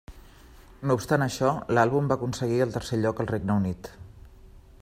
No obstant això, l'àlbum va aconseguir el tercer lloc al Regne Unit.